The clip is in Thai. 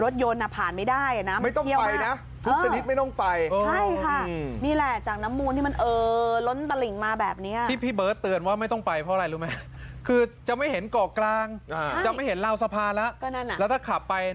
ท่วมแบบมิตรรางคาครับ